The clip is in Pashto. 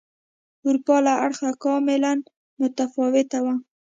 اروپا له اړخه کاملا متفاوته وه.